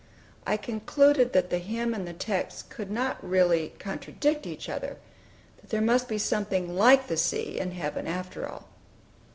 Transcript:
I concluded that the hymn and the text could not really contradict other; that there must be something like the sea in heaven, after all.